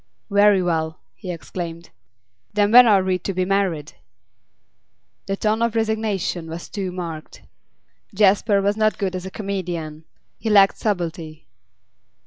'Very well,' he exclaimed. 'Then when are we to be married?' The tone of resignation was too marked. Jasper was not good as a comedian; he lacked subtlety.